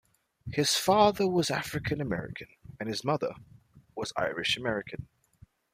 His father was African American and his mother was Irish American.